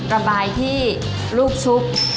ระบายที่ลูกชุบ